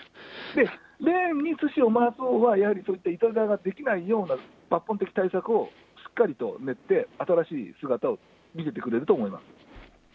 レーンにすしを回すほうは、やはりそういったいたずらができないような抜本的対策をしっかりと練って、新しい姿を見せてくれると思います。